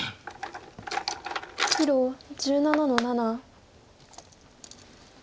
黒１７の七。